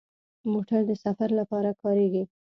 موټر د سفر لپاره کارېږي.